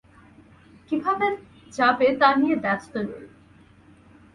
কিভাবে যাবে তা নিয়ে ব্যস্ত নই।